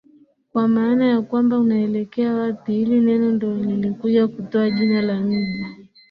kwa maana ya kwamba unaelekea wapi hili neno ndo lilikuja kutoa jina la Mji